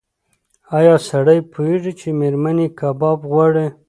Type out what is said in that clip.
ایا سړی پوهېږي چې مېرمن یې کباب غواړي؟